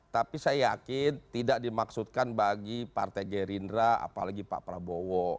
tapi saya yakin tidak dimaksudkan bagi partai gerindra apalagi pak prabowo